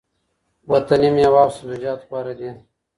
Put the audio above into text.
وطني مېوه او سبزیجات غوره دي.